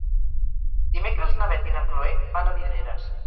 Dimecres na Beth i na Chloé van a Vidreres.